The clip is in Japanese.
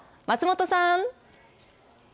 松本さん。